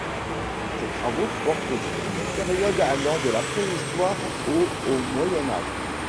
Ses travaux portent sur une période allant de la préhistoire au Haut Moyen-âge.